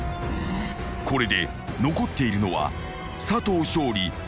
［これで残っているのは佐藤勝利。